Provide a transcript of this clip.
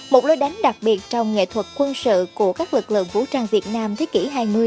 một lối đánh đặc biệt trong nghệ thuật quân sự của các lực lượng vũ trang việt nam thế kỷ hai mươi